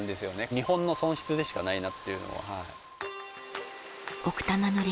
日本の損失でしかないなっていうのは。